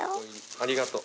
ありがとう。